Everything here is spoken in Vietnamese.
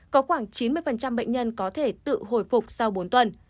có khoảng chín mươi bệnh nhân có thể tự hồi phục sau bốn tuần